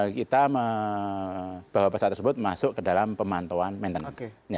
kita membawa pesawat tersebut masuk ke dalam pemantauan maintenance